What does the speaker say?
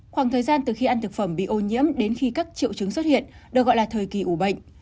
khoảng thời gian từ khi ăn thực phẩm bị ô nhiễm đến khi các triệu chứng xuất hiện được gọi là thời kỳ ủ bệnh